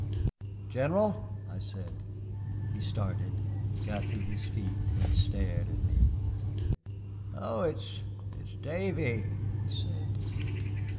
"General!" I said. He started, got to his feet, and stared at me. "Oh, it's it's Davy," he said.